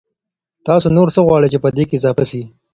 تاسو نور څه غواړئ چي پدې کي اضافه سي؟